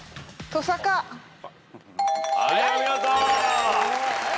はいお見事。